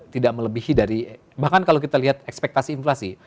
tidak melebihi dari bahkan kalau kita lihat ekspektasi inflasi